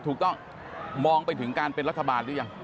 ถูกต้องมองไปถึงการเป็นรัฐบาลหรือยัง